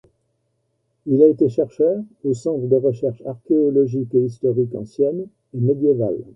Il a été chercheur au Centre de recherches archéologiques et historiques anciennes et médiévales.